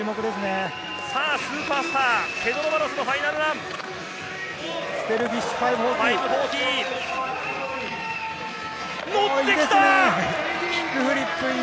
スーパースター、ペドロ・バロスのファイナルラン。